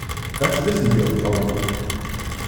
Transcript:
Das wissen wir Frauen.